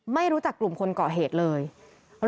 ไม่รู้จักกลุ่มคนเกาะเหตุเลย